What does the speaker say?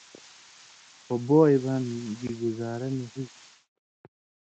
خو بوئے بانیۡ گی گُزاراہ نہ ہُوئ تھی۔